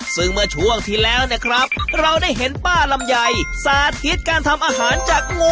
ซึ่งเมื่อช่วงที่แล้วเนี่ยครับเราได้เห็นป้าลำไยสาธิตการทำอาหารจากงู